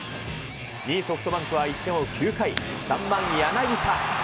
２位ソフトバンクは１点を追う９回、３番柳田。